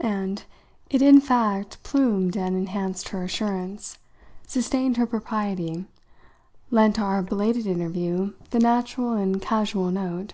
And it in fact plumed and enhanced her assurance, sustained her propriety, lent our belated interview the natural and casual note.